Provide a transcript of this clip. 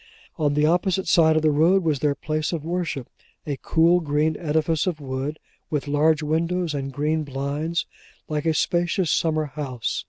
On the opposite side of the road was their place of worship: a cool, clean edifice of wood, with large windows and green blinds: like a spacious summer house.